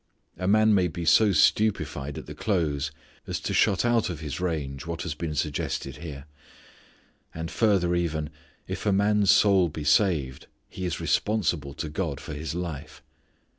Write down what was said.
A man may be so stupefied at the close as to shut out of his range what has been suggested here. And further even if a man's soul be saved he is responsible to God for his life.